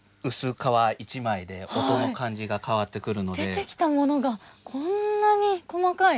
出てきたものがこんなに細かい。